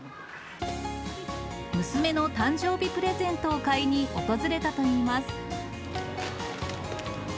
娘の誕生日プレゼントを買いに訪れたといいます。